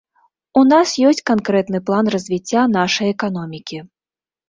У нас ёсць канкрэтны план развіцця нашай эканомікі.